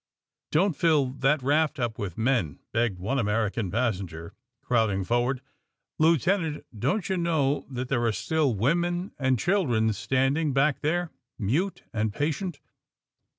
^' Don't fill that raft up with men!" begged one American passenger, crowding forward. ^* Lieutenant, don't you know that there are still women and children standing back there, mute and patient?"